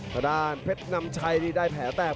ประดานเพชรน้ำชัยได้แผลแตก